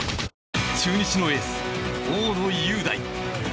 中日のエース、大野雄大。